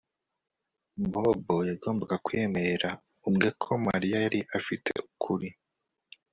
Bobo yagombaga kwiyemerera ubwe ko Mariya yari afite ukuri